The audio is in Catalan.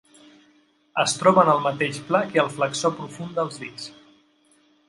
Es troba en el mateix pla que el flexor profund dels dits.